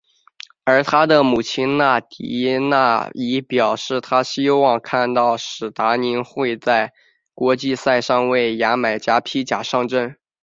而他的母亲纳迪娜已表示她希望看到史达宁会在国际赛中为牙买加披甲上阵。